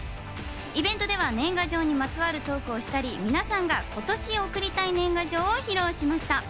イベントでは年賀状にまつわるトークをしたり、皆さんが今年送りたい年賀状を披露しました。